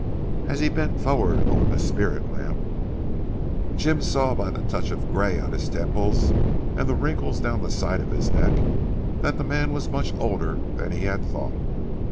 As he bent forward over the spirit lamp, Jim saw by the touch of grey on his temples and the wrinkles down the side of his neck that the man was much older than he had thought.